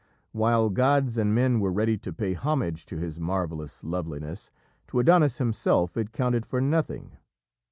While gods and men were ready to pay homage to his marvellous loveliness, to Adonis himself it counted for nothing.